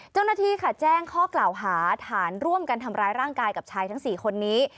เจ้าหน้าที่ค่ะแจ้งข้อกล่าวหาฐานร่วมกันทำร้ายร่างกายกับชายทั้ง๔คนนี้